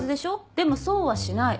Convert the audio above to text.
でもそうはしない。